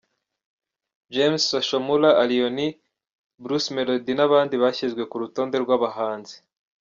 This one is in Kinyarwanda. James, Social Mula, Allioni na Bruce Melodie n’abandi bashyizwe ku rutonde rw’abahanzi